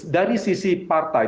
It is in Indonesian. dari sisi partai